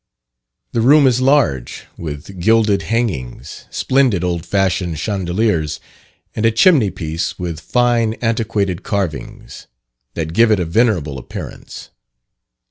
The room is large, with gilded hangings, splendid old fashioned chandeliers, and a chimney piece with fine antiquated carvings, that give it a venerable appearance.